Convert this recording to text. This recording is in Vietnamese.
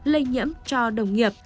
lây nhiễm cho đồng nghiệp